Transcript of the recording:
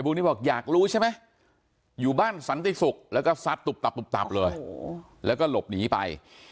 พวกนี้บอกอยากรู้ใช่ไหมอยู่บ้านสันติศุกร์แล้วก็ซัดตุบตับตุบตับเลยแล้วก็หลบหนีไป